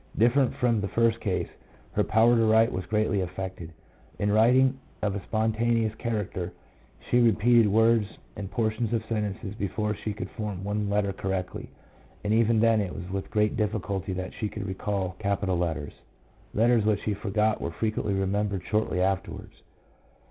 Different from the first case, her power to write was greatly affected. In writing of a spontaneous char acter, she repeated words and portions of sentences before she could form one letter correctly, and even then it was with great difficulty that she could recall capital letters. Letters which she forgot were fre quently remembered shortly afterwards.